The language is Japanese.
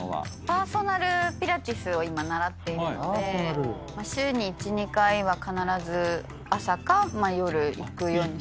パーソナルピラティスを今習っているので週に１２回は必ず朝か夜行くようにしてます。